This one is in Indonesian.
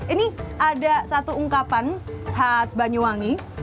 ini ada satu ungkapan khas banyuwangi